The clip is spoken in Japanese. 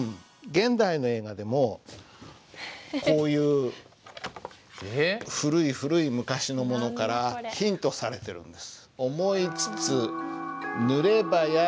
現代の映画でもこういう古い古い昔のものからヒントされてるんです。